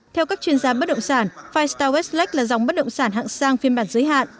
theo các chuyên gia bất động sản five star westlake là dòng bất động sản hạng sang phiên bản giới hạn